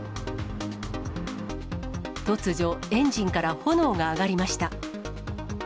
突如、エンジンから炎が上がりました。